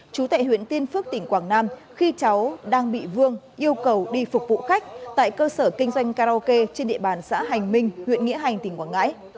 chú tại huyện tiên phước tỉnh quảng nam khi cháu đang bị vương yêu cầu đi phục vụ khách tại cơ sở kinh doanh karaoke trên địa bàn xã hành minh huyện nghĩa hành tỉnh quảng ngãi